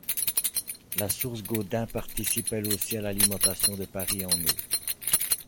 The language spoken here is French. La source Gaudin participe elle aussi à l’alimentation de Paris en eau.